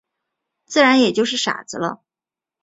自然也就是傻子了。